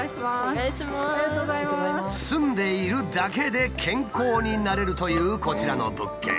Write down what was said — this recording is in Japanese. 住んでいるだけで健康になれるというこちらの物件。